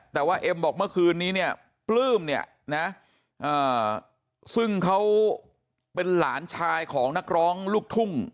แต่ว่าเอ็มบอกเมื่อคืนนี้เนี่ยปลื้มเนี่ยนะซึ่งเขาเป็นหลานชายของนักร้องลูกทุ่ง